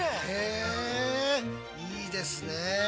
えいいですね。